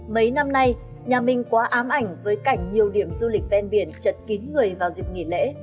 mấy năm nay nhà mình quá ám ảnh với cảnh nhiều điểm du lịch ven biển chật kín người vào dịp nghỉ lễ